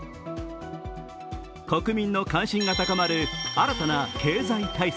国民の関心が高まる新たな経済対策。